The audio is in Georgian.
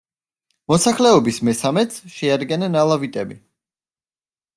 მოსახლეობის მესამედს შეადგენენ ალავიტები.